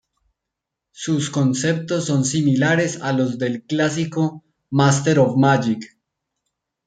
Sus conceptos son similares a los del clásico "Master of Magic".